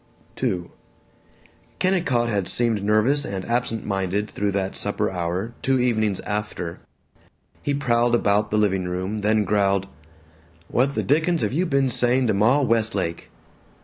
II Kennicott had seemed nervous and absent minded through that supper hour, two evenings after. He prowled about the living room, then growled: "What the dickens have you been saying to Ma Westlake?"